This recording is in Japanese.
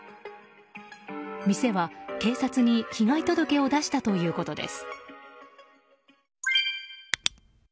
店は警察に被害届を出したということです。